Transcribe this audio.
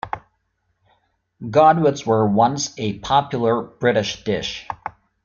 Godwits were once a popular British dish.